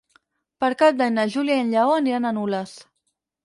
Per Cap d'Any na Júlia i en Lleó aniran a Nules.